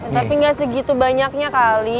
tapi gak segitu banyaknya kali